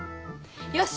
よし！